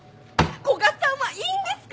古賀さんはいいんですか！？